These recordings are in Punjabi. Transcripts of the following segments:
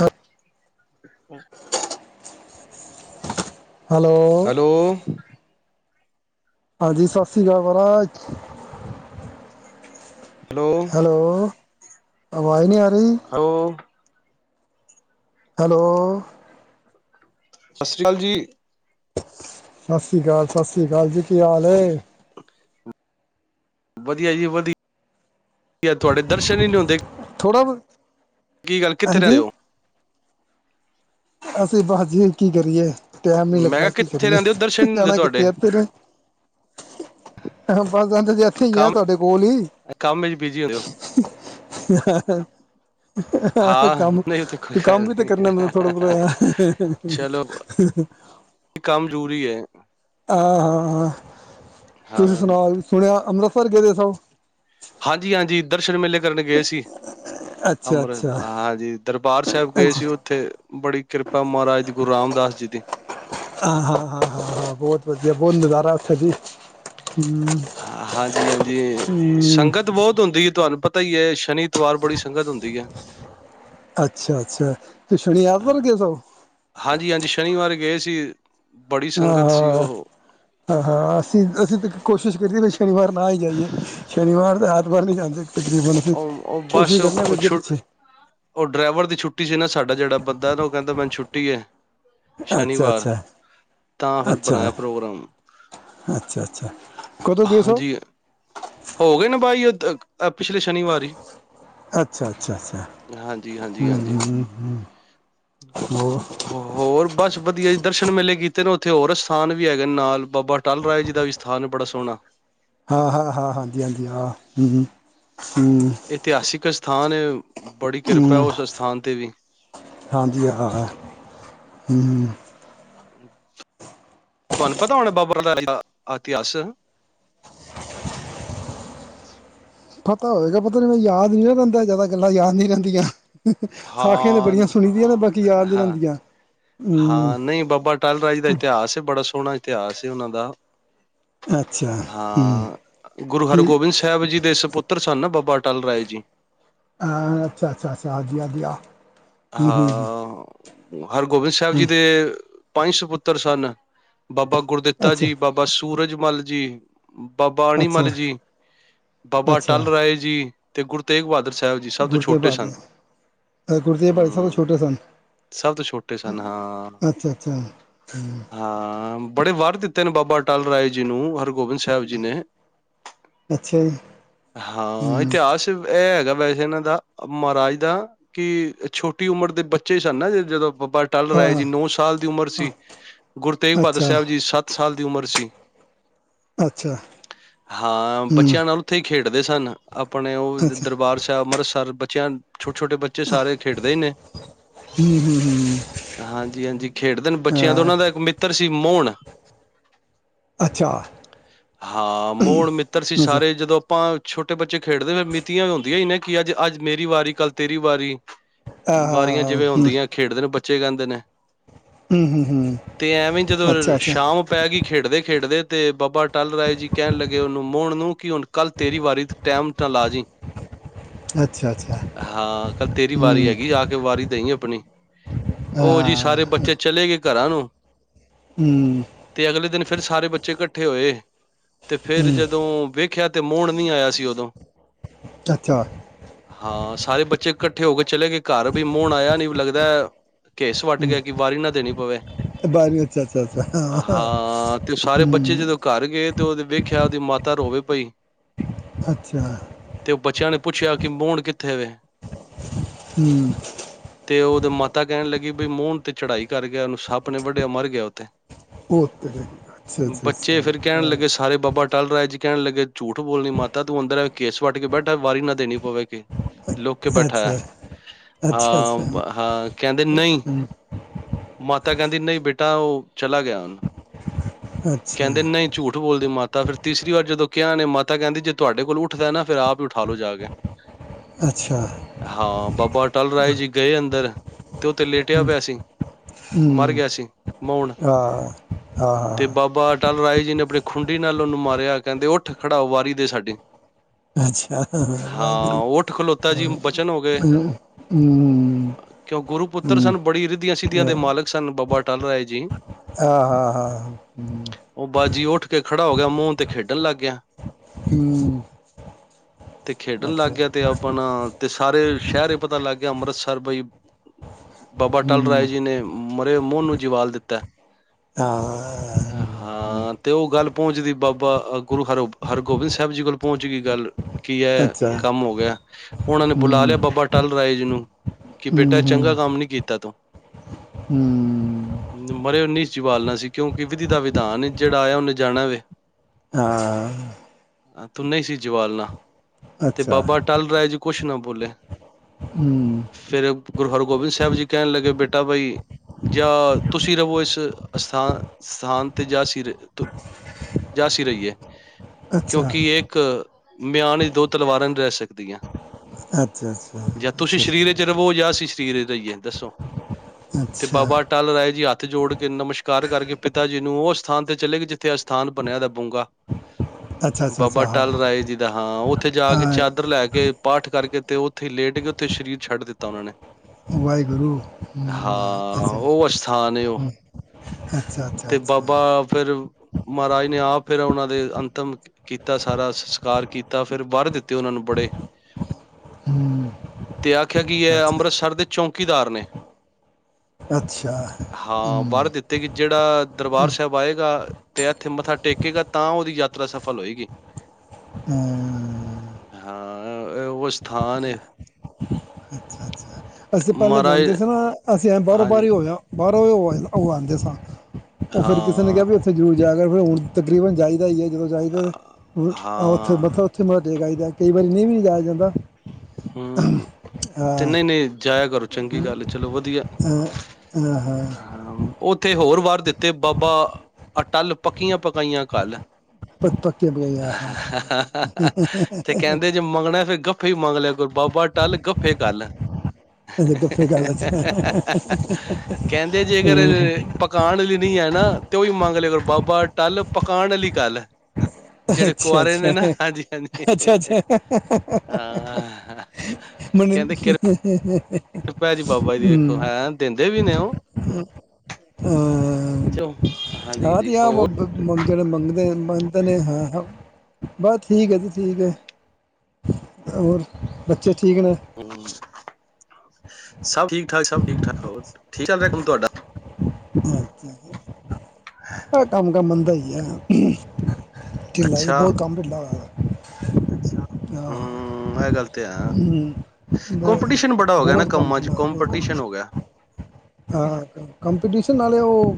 ਹਾਂ ਹਾਂ ਹੈਲੋ ਹੈਲੋ। ਹਾਂਜੀ, ਸਤਿ ਸ੍ਰੀ ਅਕਾਲ ਮਹਾਰਾਜ। Hello hello. ਆਵਾਜ਼ ਨਹੀਂ ਆ ਰਹੀ ਹੈਲੋ ਹੈਲੋ। ਸਤਿ ਸ੍ਰੀ ਅਕਾਲ ਜੀ। ਸਤਿ ਸ੍ਰੀ ਅਕਾਲ, ਸਤਿ ਸ੍ਰੀ ਅਕਾਲ ਜੀ। ਕੀ ਹਾਲ ਏ। ਵਧੀਆ ਜੀ ਵਧੀਆ, ਤੁਹਾਡੇ ਦਰਸ਼ਨ ਹੀ ਨਹੀਂ ਹੁੰਦੇ। ਥੋੜ੍ਹਾ, ਕੀ ਗੱਲ ਕਿੱਥੇ ਰਹਿੰਦੇ ਹਾਂਜੀ ਹੋ ਅਸੀਂ ਬਸ ਜੀ ਕੀ ਕਰੀਏ। ਟੈਮ ਨੀ ਮੈਂ ਲੱਗਦਾ ਕਿਹਾ ਕੀ ਕਿੱਥੇ ਕਰੀਏ। ਰਹਿੰਦੇ ਹੋ ਦਰਸ਼ਨ ਨੀ ਹੁੰਦੇ ਜਾਣਾ ਤੁਹਾਡੇ ਕਿੱਥੇ, ਇਥੇ ਨੇ ਬੱਸ ਅੰਕਲ ਜੀ ਇਥੇ ਆ ਕੰਮ ਤੁਹਾਡੇ ਕੋਲ ਹੀ, ਕੰਮ ਵਿੱਚ ਬਿਜੀ ਹੁੰਦੇ ਹੋ ਹੈ -ਹੈ ਹੈ- ਹੈ, ਹਾਂ ਕੰਮ ਨਹੀਂ ਉਹ ਕੋਈ ਤੇ ਕੰਮ ਗੱਲ ਵੀ ਤੇ ਨੀ ਕਰਨਾ ਪੈਂਦਾ ਥੋੜ੍ਹਾ ਥੋੜਾ ਬੋਤ ਚਲੋ [unintelligible] ਕੰਮ [inaudible] ਹਾਂ- ਹਾਂ- ਹਾਂ ਹਾਂ ਤੁਸੀਂ ਸੁਣਾਓ, ਸੁਣਿਆ ਅੰਮ੍ਰਿਤ ਸਰ ਗਏ ਦੇ ਸਭ [unintelligible] ਹਾਂਜੀ-ਹਾਂਜੀ ਦਰਸ਼ਨ ਮੇਲੇ ਕਰਨ ਗਏ ਸੀ। ਅੱਛਾ ਅੰਮ੍ਰਿਤ ਅੱਛਾ ਹਾਂਜੀ ਦਰਬਾਰ ਸਾਹਿਬ ਗਏ ਅੱਛਾ ਸੀ। ਉੱਥੇ ਬੜੀ ਕਿਰਪਾ ਮਹਾਰਾਜ ਗੁਰੂ ਰਾਮ ਦਾਸ ਜੀ ਦੀ ਹਾਂ-ਹਾਂ- ਹਾਂ- ਹਾਂ- ਹਾਂ, ਬਹੁਤ ਵਧੀਆ ਬਹੁਤ ਨਜ਼ਾਰਾ ਉਥੇ ਜੀ। ਹਾਂ, ਹਾਂਜੀ- ਹਾਂਜੀ ਹਮ ਸੰਗਤ ਬਹੁਤ ਹੁੰਦੀ ਹੈ ਤੁਹਾਨੂੰ ਪਤਾ ਪਤਾ ਹੀ ਹੈ, ਸ਼ਨੀ, ਇਤਵਾਰ ਬੜੀ ਸੰਗਤ ਹੁੰਦੀ ਹੈ। ਅੱਛਾ- ਅੱਛਾ। ਸ਼ਨੀ ਐਤਵਾਰ ਗੇ ਸੋ [unintelligible] ਹਾਂਜੀ, ਹਾਂਜੀ ਸ਼ਨੀਵਾਰ ਗਏ ਸੀ। ਬੜੀ ਸੰਗਤ ਸੀ ਉਹ ਆਹ-ਆਹ-ਹ, ਅਸੀਂ ਤੇ ਕੋਸ਼ਿਸ਼ [inaudible] ਸ਼ਨੀਵਾਰ ਨਾ ਹੀ ਜਾਈਏ ਸ਼ਨੀਵਾਰ [unintelligible] ਵਾਰ ਨੀ ਜਾਂਦੇ ਤਕਰੀਬਨ ਅਸੀਂ ਓ ਓਹ ਬਸ ਕੋਸ਼ਿਸ਼ ਕਰਨੇ ਉਹ ਵੀ ਅੱਗੇ ਛੁ ਪਿੱਛੇ ਓਹ ਡਰਾਈਵਰ ਦੀ ਛੁੱਟੀ ਸੀ ਨਾ ਸਾਡਾ ਜਿਹੜਾ ਬੰਦਾ ਨਾ ਉਹ ਕਹਿੰਦਾ ਮੈਨੂੰ ਛੁ ਟੀ ਐ। ਅੱਛਾ-ਅੱਛਾ, ਤਾਂ ਫਿਰ ਬਣਾਇਆ ਪ੍ਰੋਗਰਾਮ ਅੱਛਾ-ਅੱਛਾ, ਅੱਛਾ ਕਦੋਂ ਗਏ ਸੋ? ਹਾਂਜੀ ਹੋ ਗਏ ਨੇ ਬਾਈ [unintelligible] ਪਿਛਲੇ ਸ਼ਨੀਵਾਰ ਈ ਅੱਛਾ ਅੱਛਾ ਅੱਛਾ ਹਾਂਜੀ-ਹਾਂਜੀ, ਹਾਂਜੀ ਉਹ ਹੋਰ ਬਸ ਵਧੀਆ ਜੀ ਦਰਸ਼ਨ ਮੇਲੇ ਕੀਤੇ ਨੇ ਉੱਥੇ ਹੋਰ ਅਸਥਾਨ ਵੀ ਹੈਗੇ ਨੇ ਨਾਲ ਬਾਬਾ ਅਟਲ ਰਾਏ ਜੀ ਦਾ ਵੀ ਸਥਾਨ ਬੜਾ ਸੋਹਣਾ ਹਾਂ-ਹਾਂ, ਹਾਂ, ਹਾਂਜੀ-ਹਾਂਜੀ, ਹਾਂ, ਹੂੰ, ਹੂੰ। ਇਤਿਹਾਸਿਕ ਅਸਥਾਨ ਹੂੰ, ਹਾਂਜੀ, ਹਾਂ-ਹਾਂ, ਹੂੰ-ਹੂੰ। ਤੁਹਾਨੂੰ ਪਤਾ ਹੋਣਾ ਬਾਬ [unintelligible] ਦਾ ਇਤਿਹਾਸ ਪਤਾ ਹੋਏਗਾ, ਪਤਾ ਨਹੀਂ ਮੈਨੂੰ ਯਾਦ ਨੀ ਨਾ ਰਹਿੰਦਾ, ਜ਼ਿਆਦਾ ਗੱਲਾਂ ਯਾਦ ਨੀ ਰਹਿੰਦੀਆਂ। ਸਾਖੀਆਂ ਤੇ ਹਾਂ, ਬੜੀਆਂ ਸੁਣੀ ਦੀਆਂ ਨੇ ਬਾਕੀ ਅ, ਯਾਦ ਨੀ ਹਾਂ। ਰਹਿੰਦੀਆਂ। ਹੂੰ ਹਾਂ ਨਹੀਂ ਬਾਬਾ ਅਟਲ ਰਾਏ ਜੀ ਦਾ ਇਤਿਹਾਸ ਹੈ ਬੜਾ ਸੋਹਣਾ ਇਤਿਹਾਸ ਏ ਉਹਨਾਂ ਦਾ ਹਾਂ ਗੁਰੂ ਹਰਗੋਬਿੰਦ ਸਾਹਿਬ ਜੀ ਦੇ ਸਪੁੱਤਰ ਸਨ ਨਾ ਬਾਬਾ ਟਲ ਰਏ ਜੀ। ਹਾਂ ਅੱਛਾ-ਅੱਛਾ, ਅੱਛਾ, ਹਾਂਜੀ-ਹਾਂਜੀ, ਹਾਂ। ਹਾਂ। [unintelligible] ਹਰਗੋਬਿੰਦ ਸਾਹਿਬ ਜੀ ਦੇ ਪੰਜ ਸਪੁੱਤਰ ਸਨ। ਬਾਬਾ ਗੁਰਦਿੱਤਾ ਜੀ, ਬਾਬਾ ਸੂਰਜ ਜੀ। ਬਾਬਾ ਅਣੀਮਲ ਜੀ, ਬਾਬਾ ਅਟਲ ਰਾਏ ਜੀ। ਤੇ ਗੁਰੂ ਤੇਗ ਬਹਾਦਰ ਸ [unintelligible] ਗੁਰੂ ਤੇਗ ਬਹਾਦਰ ਸਭ ਤੋਂ ਛੋਟੇ ਹੂੰ, ਸਨ, ਸਭ ਤੋਂ ਛੋਟੇ ਸਨ ਹਾਂ। ਅੱਛਾ-ਅੱਛਾ। ਹਾਂ, ਬੜੇ ਵਰ ਦਿੱਤੇ ਨੇ ਬਾਬਾ ਅਟਲ ਰਾਏ ਜੀ ਨੂੰ ਹਰ ਗੋਬਿੰਦ ਸਾਹਿਬ ਜੀ ਨੇ, ਅੱਛਾ ਜੀ ਹਾਂ ਹੂੰ ਇਤਿਹਾਸ ਏ ਹੈਗਾ ਵੈਸੇ ਇਹਨਾਂ ਦਾ, ਮਹਾਰਾਜ ਦਾ ਕੀ ਏ ਛੋਟੀ ਉਮੜ ਦੇ ਬੱਚੇ ਸਨ ਨਾ ਜ ਜਦੋਂ ਬਾਬਾ ਅਟੱਲ ਆ ਰਾਏ ਜੀ ਨੌ ਸਾਲ ਦੀ ਉਮਰ ਸੀ, ਗੁਰੂ ਤੇਗ ਬਹਾਦਰ ਅੱਛਾ ਸਾਹਿਬ ਜੀ ਸੱਤ ਸਾਲ ਦੀ ਉਮਰ ਸੀ ਅੱਛਾ ਹਾਂ ਹੂੰ ਬੱਚਿਆਂ ਨਾਲ ਉੱਥੇ ਹੀ ਖੇਡ ਦੇ ਸਨ। ਆਪਣੇ ਉਹ ਅੱਛਾ ਦਰਬਾਰ ਸਾਹਿਬ ਅੰਮ੍ਰਿਤਸਰ ਚੰਦ ਛਟੇ ਛੋਟੇ ਬੱਚੇ ਸਾਰੇ ਖੇਡਦੇ ਹੀ ਨੇ ਹੂੰ ਹੂੰ ਹੂੰ, ਹਾਂਜੀ ਹਾਂਜੀ ਖੇਡਦੇ ਨੇ ਬੱਚਿਆਂ ਦਾ ਆ, ਉਹਨਾਂ ਦਾ ਇੱਕ ਮਿੱਤਰ ਸੀ ਮੋਣ ਅੱਛਾ ਹਾਂ ਮੋਣ ਮਿੱਤਰ ਸੀ। ਅੱਛਾ ਸਾਰੇ ਜਦੋਂ ਆਪਾਂ ਛੋਟੇ ਬੱਚੇ ਖੇਡਦੇ ਫਿਰ ਮਿਤੀਆਂ ਵੀ ਹੁੰਦੀਆਂ ਹੀ ਨਾ ਕੀ ਅੱਜ ਅੱਜ ਮੇਰੀ ਵਾਰੀ ਕੱਲ ਤੇਰੀ ਵਾਰੀ ਆ, ਵਾਰੀਆਂ ਜਿਵੇਂ ਹੂੰ ਹੁੰਦੀਆਂ ਖੇਡਦੇ ਨੇ ਬੱਚੇ ਬੱਚੇ ਕਹਿੰਦੇ ਨੇ। ਹੂੰ ਹੂੰ ਹੂੰ ਤੇ ਐਵੇਂ ਜਦੋਂ ਅੱਛਾ ਅੱਛਾ ਸ਼ਾਮ ਪੈ ਗਈ ਖੇਡਦੇ ਖੇਡਦੇ ਤੇ ਬਾਬਾ ਟਲ ਰਾਏ ਜੀ ਕਹਿਣ ਲੱਗੇ ਉਹਨੂੰ ਮੋਣ ਨੂੰ ਕਿ ਹੁਣ ਕੱਲ ਤੇਰੀ ਵਾਰੀ ਟੈਮ ਨਾਲ ਆ ਜਈ। ਅੱਛਾ ਅੱਛਾ ਤੇਰੀ ਹੂੰ ਵਾਰੀ ਹੈਗੀ ਆ ਕੇ ਵਾਰੀ ਦਈ ਆਪਣੀ ਅਪਣੀ ਆ, ਉਹ ਜੀ ਸਾਰੇ ਬੱਚੇ ਚਲੇ ਗਏ। ਘਰਾਂ ਨੂੰ ਹੂੰ ਤੇ ਅਗਲੇ ਦਿਨ ਫਿਰ ਸਾਰੇ ਬੱਚੇ ਇਕੱਠੇ ਹੋਏ ਤੇ ਫਿਰ ਹੂੰ ਜਦੋਂ ਦੇਖਿਆ ਤੇ ਮੋਹਣ ਨੀ ਆਇਆ ਸੀ ਉਦੋਂ ਅੱਛਾ ਹਾਂ ਸਾਰੇ ਬੱਚੇ ਇਕੱਠੇ ਹੋ ਕੇ ਚਲੇ ਗਏ ਘਰ ਵੀ ਮੋਣ ਆਇਆ ਨੀ ਲੱਗਦਾ ਕੇਸ ਵੱਟ ਹੂੰ ਗਿਆ ਕਿ ਵਾਰੀ ਨਾਂ ਦੇਣੀ ਪਵੇ ਬਾਰੀ ਅੱਛਾ ਅੱਛਾ ਅੱਛਾ ਹਾਂ ਤੇ ਉਹ ਸਾਰੇ ਬੱਚੇ ਹੂੰ ਜਦੋਂ ਘਰ ਗਏ। ਤੇ ਉਹਦੇ ਵੇਖਿਆ ਉਹਦੀ ਮਾਤਾ ਰੋਵੇ ਪਈ। ਤੇ ਉਹ ਬਚਿਆਂ ਨੇ ਪੁੱਛਿਆ ਕਿ ਮੋਣ ਕਿੱਥੇ ਵੇ ਹੂੰ ਤੇ ਉਹਦੇ ਮਾਤਾ ਕਹਿਣ ਲੱਗੀ ਬਈ ਮੋਣ ਤੇ ਚੜਾਈ ਕਰ ਗਿਆ। ਉਹਨੂੰ ਸੱਪ ਨੇ ਵੱਡਿਆ ਮਰ ਗਿਆ ਓ ਤੇ। ਬੱਚੇ ਫਿਰ ਕਹਿਣ ਲੱਗੇ ਸਾਰੇ ਬਾਬਾ ਟਲ ਰਿਹਾ ਜੀ ਕਹਿਣ ਲੱਗੇ ਝੂਠ ਬੋਲਣੀ ਮਾਤਾ ਤੂੰ ਅੰਦਰ ਕੇਸ ਵੱਟ ਕੇ ਬੈਠਾ ਵਾਰੀ ਨਾ ਦੇਣੀ ਪਵੇ ਕੇ ਲੁੱਕ ਕੇ ਬੈਠਾ ਹਾਂ ਹਾਂ ਕਹਿੰਦੇ ਨਹੀਂ। ਮਾਤਾ ਕਹਿੰਦੀ ਨਹੀਂ ਬੇਟਾ ਉਹ ਚਲਾ ਗਿਆ। ਕਹਿੰਦੇ ਨਹੀਂ ਝੂਠ ਬੋਲਦੀ ਮਾ। ਤਾਂ ਫਿਰ ਤੀਸਰੀ ਵਾਰ ਜਦੋਂ ਕਿਹਾ ਨੇ ਮਾਤਾ ਕਹਿੰਦੀ ਜੇ। ਤੁਹਾਡੇ ਕੋਲ ਉੱਠਦਾ ਨਾ ਫਿਰ ਆਪ ਹੀ ਉਠਾ ਲੋ ਜਾ ਕੇ ਹਾਂ ਬਾਬਾ ਅੱਟਲ ਰਾਏ ਜੀ ਗਏ ਅੰਦਰ। ਤੇ ਉਹ ਤੇ ਲੇਟਿਆ ਪਿਆ ਸੀ ਹੂ ਮਰ ਗਿਆ ਸੀ ਮਊਣ ਹਾਂ ਹਾਂ ਹਾਂ। ਅੱਟਲ ਰਾਏ ਜੀ ਨੇ ਆਪਣੀ ਖੁੰਡੀ ਨਾਲ ਉਹਨੂੰ ਮਾਰਿਆ, ਕਹਿੰਦੇ ਉੱਠ ਖੜਾ ਹੋ ਵਾਰੀ ਦੇ ਸਾਡੀ। ਹਾਂ ਉਠ ਖਲੋਤਾ ਜੀ ਬਚਨ ਹੋ ਗਏ, ਕਿਉਂ ਗੁਰੂ ਪੁੱਤਰ ਸਨ ਬੜੀ ਰਿੱਧੀਆਂ ਸਿੱਧੀਆਂ ਦੇ ਮਾਲਕ ਸਨ ਬਾਬਾ ਅੱਟਲ ਰਾਏ ਜੀ। ਹਾਂ ਹਾਂ ਹਾਂ। ਹਮ। ਉਹ ਬਾਜੀ ਉੱਠ ਕੇ ਖੜਾ ਹੋ ਗਿਆ ਮੋਨ ਤੇ ਖੇਡਣ ਲੱਗ ਗਿਆ। ਹੂ। ਤੇ ਖੇਡਣ ਲੱਗ ਗਿਆ ਤੇ ਆਪਣਾ ਤੇ ਸਾਰੇ ਸ਼ਹਿਰ ਪਤਾ ਲੱਗ ਗਿਆ ਅੰਮ੍ਰਿਤਸਰ ਬਈ, ਬਾਬਾ ਅੱਟਲ ਰਾਏ ਜੀ ਨੇ, ਮਰੇ ਮੂੰਹ ਨੂੰ ਜਵਾਲ ਦਿੱਤਾ। ਹਾਂ ਹਾਂ- ਹਾਂ। ਹਾਂ ਤੇ ਉਹ ਗੱਲ ਪਹੁੰਚਦੀ ਬਾਬਾਹ ਗੁਰੂ ਹਰ ਹਰਗੋਬਿੰਦ ਸਾਹਿਬ ਜੀ ਕੋਲ ਪਹੁੰਚ ਗਈ ਗੱਲ। ਕੀ ਹੈ, ਕੰਮ ਹੋ ਗਿਆ, ਉਹਨਾਂ ਨੇ ਬੁਲਾ ਲਿਆ ਬਾਬਾ ਅੱਟਲ ਰਾਏ ਜਿਨੂੰ। ਕਿ ਬੇਟਾ ਚੰਗਾ ਕੰਮ ਨੀ ਕੀਤਾ ਤੂੰ। ਹੂ। ਚਬਾਲਣਾ ਸੀ ਕਿਉਂ। ਏ ਵਿਧੀ ਦਾ ਵਿਧਾਨ ਏ ਜਿਹੜਾ ਆਇਆ ਉਹਨੇ ਜਾਣਾ ਵੇ। ਹਾਂ। ਅ ਤੂੰ ਨਹੀਂ ਸੀ ਜਵਾਲਣਾ। ਤੇ ਬਾਬਾ ਅੱਟਲ ਰਾਏ ਜੀ, ਕੁਛ ਨਾ ਬੋਲੇ। ਹੂੰ। ਫੇਰ ਗੁਰੂ ਹਰਗੋਬਿੰਦ ਸਾਹਿਬ ਜੀ ਕਹਿਣ ਲੱਗੇ ਬੇਟਾ ਬਈ ਜਾਂ ਤੁਸੀਂ ਰਵੋ ਇਸ ਅਸਥਾਨ ਅਸਥਾਨ ਤੇ ਜਾਸੀ ਰ ਤ ਜਾਸੀ ਰਹੀਏ। ਕਿਉਂਕਿ ਇੱਕ, ਮਿਆਨ ਵਿਚ ਦੋ ਤਲਵਾਰਾਂ ਨੀ ਰਹਿ ਸਕਦੀਆਂ। ਜਾਂ ਤੁਸੀਂ ਸਰੀਰ ਵਿੱਚ ਰਵੋ ਜਾਂ ਅਸੀ ਸ ਧਿਰੇ ਤੋਂ ਹੀਏ ਦੱਸੋ ਤੇ ਅੱਛਾ ਬਾਬਾ ਟਾਲ ਰਾਏ ਜੀ ਆ ਜੋੜ ਕੇ ਨਮਸਕਾਰ ਕਰਕੇ ਪਿਤਾ ਜੀ ਨੂੰ ਉਹ ਅਸਥਾਨ ਤੇ ਚਲੇ ਗਏ, ਜਿੱਥੇ ਅਸਥਾਨ ਬਣਿਆ ਦਾ ਬੂੰਗਾ ਅੱਛਾ ਅੱਛਾ ਬਾਬਾ ਅੱਛਾ ਟਲ ਹਾਂ ਰਾਏ ਜੀ ਦਾ ਹਾਂ, ਉੱਥੇ ਜਾ ਕੇ ਆ ਚਾਦਰ ਲੈ ਕੇ ਪਾਠ ਕਰਕੇ ਤੇ ਉੱਥੇ ਲੇਟ ਗਿਆ, ਉੱਥੇ ਸਰੀਰ ਛੱਡ ਦਿੱਤਾ ਉਹਨਾਂ ਨੇ ਵਾਹਿਗੁਰੂ ਅ ਹਾਂ ਨਹੀ ਉਹ ਤੇ ਅੱਛਾ ਬਾਬਾ ਫੇਿਰ ਮਹਾਰਾਜ ਨੇ ਆਪ ਫਿਰ ਉਹਨਾਂ ਦੇ ਅੰਤਿਮ ਕੀਤਾ, ਸਾਰਾ ਸੰਸਕਾਰ ਕੀਤਾ। ਫਿਰ ਵਰ ਦਿੱਤੇ ਉਹਨਾਂ ਨੂੰ ਬੜੇ ਹਮ, ਤੇ ਆਖਿਆ ਕਿ ਇਹ ਅੱਛਾ ਅੰਮ੍ਰਿਤਸਰ ਦੇ ਚੌਕੀਦਾਰ ਨੇ ਅੱਛਾ ਹਾਂ ਹੂ ਵਰ ਦਿੱਤੇ ਕਿ ਦਰਬਾਰ ਸਾਹਿਬ ਆਏ ਤੇ ਇੱਥੇ ਮੱਥਾ ਟੇਕੇਗਾ ਤਾਂ ਉਹਦੀ ਯਾਤਰਾ ਸਫਲ ਹੋਏਗੀ। ਹੂ ਹਾਂ ਉਹ ਸਥਾਨ ਏ ਅੱਛਾ ਅੱਛਾ ਅਸੀਂ ਪਹਿਲੇ ਜਾਂਦੇ ਸੀ ਨਾ ਅਸੀਂ ਐਂ ਬਾਹਰੋਂ ਹਾਂਜੀ ਬਾਹਰ ਹੋਇਆ ਬਾਹਰੋਂ ਹੋ ਆਏ ਹੋ ਆਉਂਦੇ ਸਾਂ ਉਹ ਫਿਰ ਕਿਸੇ ਨੇ ਕਿਹਾ ਵੀ ਹਾਂ ਉੱਥੇ ਜਰੂਰ ਜਾਇਆ ਅ ਫਿਰ ਹੁ ਤਕਰੀਬਨ ਜਾਈਦਾ ਹੀ ਹੈ ਜਦੋ ਜਾਇਦਾ ਅ- [unintelligible] ਉੱਥੇ ਹਾਂ ਦੇ ਆਈਦਾ ਕਈ ਵਾਰੀ ਨਹੀਂ ਵੀ ਨ ਜਾਇਆ ਜਾਂਦਾ ਹਮ ਤਿੰਨੇ ਨੇ ਜਾਇਆ ਕਰੋਚੰਗੀ ਗੱਲ ਚਲੋ ਵਧੀਆ ਹ ਹਹ ਹਾਂ ਹਾਂ ਉੱਥੇ ਹੋਰ ਵੱਰ ਦਿੱਤੇ, ਬਾਬਾ ਅਟਲ ਪੱਕੀਆਂ ਪਕਾਈਆਂ ਘੱਲ ਪੱਕ ਪੱਕੇ ਬਗਿਆ ਹਾਂ ਹਾਹਾਹਾ ਤੇ' ਕਹਿੰਦੇ ਜੇ ਮੰਗਣਾ ਫਿਰ ਗੱਫ ਮੰਗ ਲਿਆ ਕਰੋ ਬਾਬਾ ਅਟੱਲ ਗੱਫੇ ਘੱਲ ਇਹ ਗੱਫੇ ਗੱਲ ਹਹਾਹਾਹਾ ਕਹਿੰਦੇ ਜੇਕਰ ਹੈ ਪਕਾਉਣ ਲਈ ਨਹੀਂ ਹੈ ਨਾ ਤੁਹੀ ਮੰਗ ਲਿਆ ਕਰੋ ਬਾਬਾ ਅਟੱਲ ਪਕਾਉਣ ਵਾਲੀ ਘੱਲ ਅੱਛਾ, ਅੱਛਾ, ਹ ਹ ਹ ਹ ਅੱਛਾ, ਅੱਛਾ ਆ ਹਾਹਾਹ ਹ ਹ ਹ ਕਹਿੰਦੇ ਕਿਰਪ ਹਮ [unintelligible] ਕਿਰਪਾ ਵਿ ਹੈ ਬਾਬਾ ਜੀ ਦਿੰਦੇ ਵੀ ਨੇ ਉਹ ਚਲੋ ਹਾਂਜੀ ਆਹ ਹਾਂਜੀ ਤੇ ਆਹ ਹੋਰ ਮੰਗਤੇ ਮੰਗਦੇ ਆ ਬੰਦ ਨੇ ਹਾਂ ਹਾਂ, ਬਸ ਠੀਕ ਹੈ ਜੀ ਠੀਕ ਹੈ ਹੋਰ ਬੱਚੇ ਠੀਕ ਨੇ ਹੂੰ। ਸਭ ਠੀਕ- ਠਾਕ, ਸਭ ਠੀਕ- ਠਾਕ ਹੋਰ ਠੀਕ ਚੱਲ ਰਿਹਾ ਕੰਮ ਤੁਹਾਡਾ ਆ ਕੰਮ ਤਾ ਮੰਦਾ ਹੀ ਆ ਢਿੱਲਾ ਇਹ ਅੱਛਾ ਬਹੁਤ ਕੰਮ ਢਿੱਲਾ ਹੋਇਆ। ਆਹ ਹੂੰ ਇਹ ਗੱਲ ਤੇ ਹੈ ਬਹੁਤ ਕੌਪੀਟੀਸ਼ਨ ਬੜਾ ਹੋ ਗਿਆ ਨਾ ਬਹੁਤ ਕੰਮ ਕੰਮਾਂ ਚ ਢਿੱਲਾ ਬਹੁਤ ਕੰਮ ਕੌਪੀਟੀਸ਼ਨ ਹੋ ਗਿਆ ਹਾਂ, ਕੰਪੀਟੀਸ਼ਨ ਨਾਲੇ ਉਹ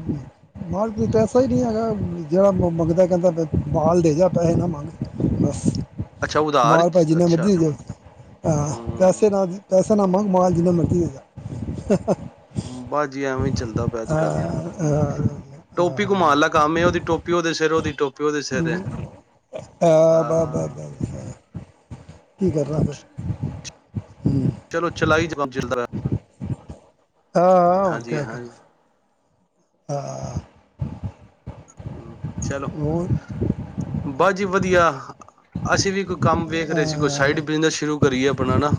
ਮਾਲ ਕੀ ਪੈਸਾ ਈ ਨ੍ਹੀਂ ਹੈਗਾ, ਜਿਹੜਾ ਮੰਗਦੈ ਕਹਿੰਦੈ ਮਾਲ ਦੇ ਜਾ ਪੈਸੇ ਨਾ ਮੰਗ, ਬਸ। ਅੱਛਾ ਉਧਾਰ ਮਾਲ ਭਾਏ ਜਿੰਨਾ ਅੱਛਾ ਮਰਜ਼ੀਂ ਦੇਦੇ ਆਂ ਹੂੰ ਪੈਸੇ ਨਾ ਦੇ ਪੈਸ ਪੈਸਾ ਨਾ ਮੰਗ, ਮਾਲ ਜਿੰਨਾਂ ਮਰਜੀ ਦੇ ਜਾ। ਬਸ ਜੀ ਐਵੇਂ ਈ ਚੱਲਦਾ ਪਿਐ ਅੱਜ-ਕੱਲ ਟੋਪੀ ਘੁਮਾਣ ਆਲਾ ਕੰਮ ਏ ਔਦੀ ਟੋਪੀ ਔਦੇ ਸਿਰ ਔਦੀ ਟੋਪੀ ਉਹਦੇ ਸਿਰ ਏ ਹੂੰ, ਆ ਹਾਂ ਬਾ-ਬਾ-ਬਾ-ਬਸ, ਕੀ ਕਰਨਾ ਫੇਰ ਚਲੋ ਚਲਾਈ ਜੋ ਜੋ ਕੰਮ ਚੱਲਦਾ ਪਿਆ। ਹਾਂ, ਹੋਰ ਕਿਆ ਹਾਂਜੀ ਕਰੀਏ। ਆਹ ਚਲੋ, ਬਸ ਜੀ ਵਧੀਆ ਅਸੀਂ ਵੀ ਕੋਈ ਕੰਮ ਵੇਖ ਰੇ ਸੀ ਕੋਈ ਸਾਈਡ ਬਿਜਨਸ ਸ਼ੁਰੂ ਕਰੀਏ ਆਪਣਾ ਨਾ।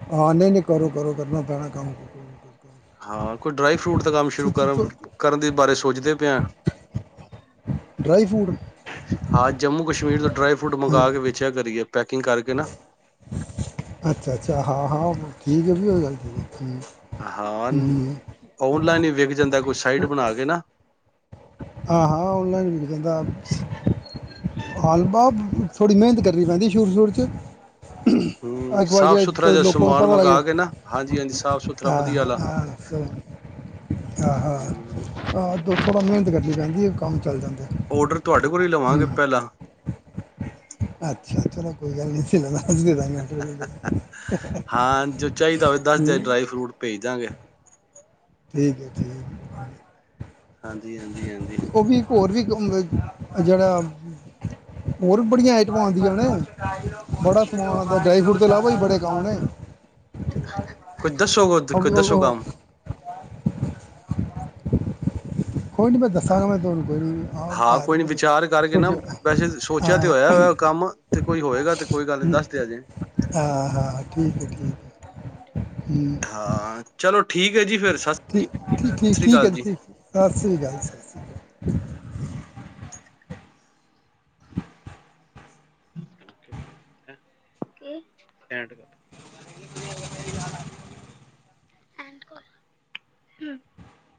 [unintelligible] ਹਾਂ, ਨਹੀਂ- ਨਹੀਂ ਕਰੋ ਕਰੋ ਕਰਨਾ ਪੈਣਾ ਕੰਮ। ਹਾਂ, ਕੋਈ ਡਰਾਈ ਫਰੂਟ ਦਾ ਕੰਮ ਸ਼ੁਰੂ ਕਰਨ ਕਰਨ ਦੇ ਬਾਰੇ ਸੋਚਦੇ ਪਏ ਆਂ। ਡਰਾਈ ਫੂਡ ਹਾਂ, ਜੰਮੂ ਕਸ਼ਮੀਰ ਤੋਂ ਡਰਾਈ ਫਰੂਟ ਮੰਗਾ ਕੇ ਵੇਚਿਆ ਕਰੀਏ। ਪੈਕਿੰਗ ਕਰਕੇ ਨਾ ਅੱਛਾ- ਅੱਛਾ, ਹਾਂ- ਹਾਂ। ਠੀਕ ਹੈ ਬੀ ਉਹ ਗੱਲ ਠੀਕ ਹਾਂ, ਨ ਹੈ ਔਨਲਾਈਨ ਈ ਵਿਕ ਜਾਂਦੈ ਕੋਈ ਸਾਈਟ ਬਣਾ ਕੇ ਨਾ ਹਾਂ- ਹਾਂ ਔਨਲਾਈਨ ਵਿਕ ਜਾਂਦੈ, ਹੱਲ ਬਾ ਥੋੜ੍ਹੀ ਮਿਹਨਤ ਕਰਨੀ ਪੈਂਦੀ ਆ ਸ਼ੁਰੂ ਸ਼ੁਰੂ ਚ। ਹੂੰ ਇਕ ਵਾਰੀ ਸਾਫ਼ ਜੇ ਤ ਸੁਥਰਾ ਜਿਹਾ ਲੋਕਾਂ ਨੂੰ ਸਮਾਨ ਪਤਾ ਲੱਗ ਜੇ ਮੰਗਵਾ ਕੇ ਨਾ ਹਾਂਜੀ ਹਾਂਜੀ ਸਾਫ਼ ਸੁਥਰਾ ਆ ਵਧੀਆ ਆਲਾ ਹਾ ਆਸ ਆ ਹਾ ਆਦਿ ਥੋੜਾ ਮਿਹਨਤ ਮੈਨੂੰ ਕਹਿੰਦੀ ਏ ਕੰਮ ਚੱਲ ਜਾਂਦਾਂ ਔਡਰ ਤੁਹਾਡੇ ਕੋਲ ਈ ਲਵਾਂਗੇ ਪਹਿਲਾਂ। ਅੱਛਾ ਚਲੋ ਕੋਈ ਗੱਲ ਨੀ ਏਸੇ ਤਰਾਂ ਹਾਂ, ਜੋ ਚਾਹੀਦਾ ਹੋਵੇ ਦੱਸ ਦੇ ਹੂੰ ਜੇ ਡਰਾਈ ਫਰੂਟ ਭੇਜਦਾਂਗੇ। ਠੀਕ ਹੈ ਠੀਕ‌। ਹਾਂਜੀ-ਹਾਂਜੀ- ਹਾਂਜੀ। ਤੋ ਮਗ ਆ ਜਿਹੜਾ ਹੋਰ ਬੜੀਆਂ ਆਈਟਮਾਂ ਆਉਂਦੀਆਂ ਨੇ। ਬੜਾ ਸਮਾਨ ਆਂਦਾ, ਡਰਾਈ ਫਰੂਟ ਦ ਇਲਾਵਾ ਈ ਬੜੇ ਗਾਉ ਨੇ। ਕੋਈ ਦੱਸੋ, ਉਹ ਕੋਈ ਵੀ ਉਹ- ਦੱਸੋ ਉਹ- ਕੰਮ। ਕੋਈ ਨਹੀਂ ਮੈਂ ਦੱਸਾਂਗਾ, ਮੈਂ ਤੁਵਾਨੂੰ ਫੇਰ ਵੀ ਆਪ ਹਾਂ ਹੈ ਤੇ ਕੋਈ ਨੀ ਵਿਚਾਰ ਕਰਕੇ ਨਾ ਵੈਸੇ [unintelligible] ਸੋਚਿਆ ਤੇ ਹਾਂ-ਹਾਂ-ਹਾਂ-ਹਾ, ਹੋਇਆ ਹੋਇਆ ਕੰਮ ਤੇ ਕੋਈ ਹੋਏਗਾ ਤੇ ਕੋਈ ਗੱਲ ਨੀ ਦੱਸ ਦਿਆ ਜੇ ਠੀਕ ਏ ਠੀਕ ਏ ਹੂੰ, ਹਾਂ ਚਲੋ ਠੀਕ ਏ ਜੀ ਫੇਰ ਸਤਿ ਠੀਕ ਠੀਕ ਏ ਸ੍ਰੀ ਠੀਕ ਹੈ, ਅਕਾਲ ਜੀ ਸਤਿ ਸ਼੍ਰੀ ਕਾਲ, ਸਤਿ ਸ਼੍ਰੀ ਕਾਲ। ਹੈ ਕੀ [unintelligible] [inaudible] [unintelligible]